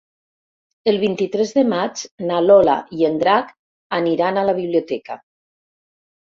El vint-i-tres de maig na Lola i en Drac aniran a la biblioteca.